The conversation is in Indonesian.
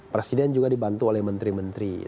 presiden juga dibantu oleh menteri menteri